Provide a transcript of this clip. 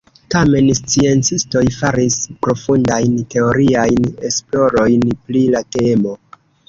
Tamen sciencistoj faris profundajn teoriajn esplorojn pri la temo.